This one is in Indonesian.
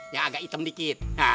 yang agak item dikit